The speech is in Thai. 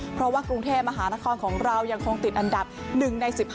เพราะว่ากรุงเทพมหานครของเรายังคงติดอันดับ๑ใน๑๕